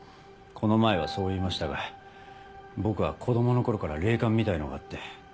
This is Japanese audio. この前はそう言いましたが僕は子供の頃から霊感みたいのがあって。